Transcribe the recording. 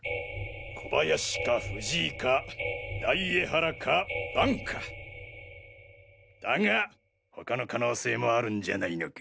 小林か藤井か大江原か伴かだが他の可能性もあるんじゃないのか？